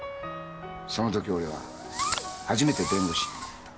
その時俺は初めて弁護士になった。